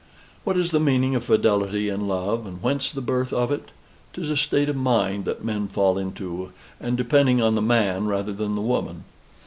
What is the meaning of fidelity in love, and whence the birth of it? 'Tis a state of mind that men fall into, and depending on the man rather than the woman.